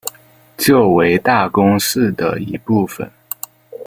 旧为大宫市的一部分。